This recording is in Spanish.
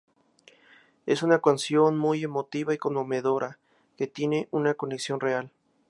Es una canción muy emotiva y conmovedora que tienen una conexión real"".